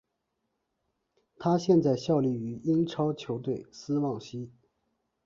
他现在效力于英超球队斯旺西。